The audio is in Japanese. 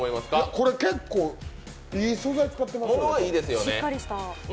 これ結構いい素材使ってますよ。